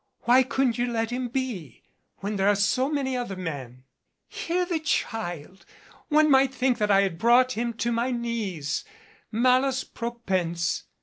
Why couldn't you let him be? When there are so many other men " "Hear the child ! One might think that I had brought him to my knees, malice propense.